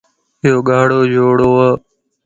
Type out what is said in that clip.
ايو ڳارو جوڙو ا